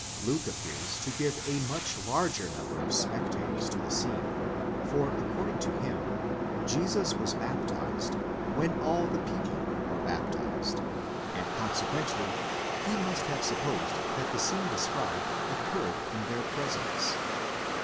Luke appears to give a much larger number of spectators to the scene, for according to him, Jesus was baptized ἐν τῷ βαπτισθῆναι ἅπαντα τὸν λαὸν, when all the people were baptized, and consequently he must have supposed that the scene described occurred in their presence.?